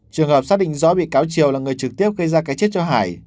trường hợp xác định rõ bị cáo triều là người trực tiếp gây ra cái chết cho hải